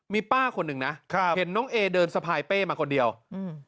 มีป้าคนหนึ่งนะครับเห็นน้องเอเดินสะพายเป้มาคนเดียวอืม